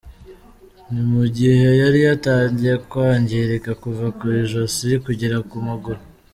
Ni mu gihe yari yatangiye kwangirika kuva ku ijosi kugera ku magaru.